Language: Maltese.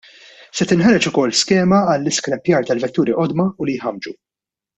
Se tinħareġ ukoll skema għall-iskrappjar tal-vetturi qodma u li jħammġu.